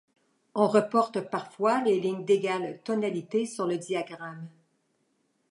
On reporte parfois les lignes d'égale tonalité sur le diagramme.